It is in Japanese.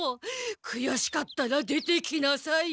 くやしかったら出てきなさい。